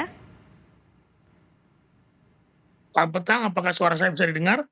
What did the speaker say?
selamat petang apakah suara saya bisa didengar